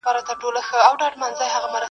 سیال به مي غزل سي له شیېراز تر نیشافوره بس.